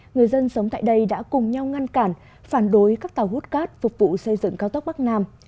người dân sống tại đây đã cùng nhau ngăn cản phản đối các tàu hút cát phục vụ xây dựng cao tốc bắc nam